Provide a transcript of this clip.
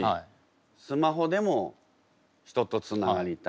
スマホでも人とつながりたい。